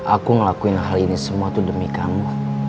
aku ngelakuin hal ini semua tuh demi kamu